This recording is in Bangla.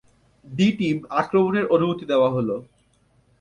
ডি-টিম, আক্রমণের অনুমতি দেয়া হলো।